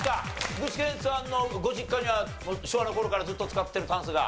具志堅さんのご実家には昭和の頃からずっと使ってるタンスが。